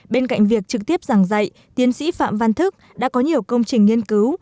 bên cạnh việc trực tiếp giảng dạy tiến sĩ phạm văn thức đã có nhiều công trình nghiên cứu